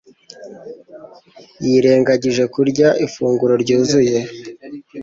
yirengagije kurya ifunguro ryuzuye